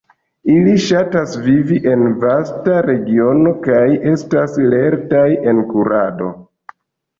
Ili ŝatas vivi en vasta regiono kaj estas lertaj en kurado.